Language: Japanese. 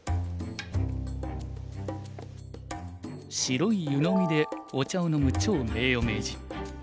白い湯飲みでお茶を飲む趙名誉名人。